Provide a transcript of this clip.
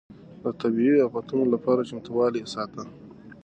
ده د طبيعي افتونو لپاره چمتووالی ساته.